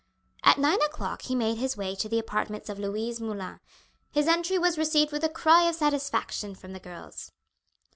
At nine o'clock he made his way to the apartments of Louise Moulin. His entry was received with a cry of satisfaction from the girls.